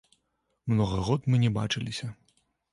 Многа год мы не бачыліся.